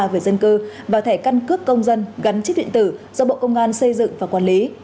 về dân cư và thẻ căn cước công dân gắn chip điện tử do bộ công an xây dựng và quản lý